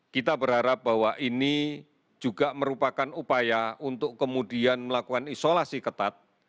kita berharap bahwa ini juga merupakan upaya untuk kemudian melakukan isolasi ketat